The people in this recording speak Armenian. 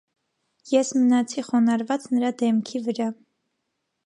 Ես մնացի խոնարհված նրա դեմքի վրա: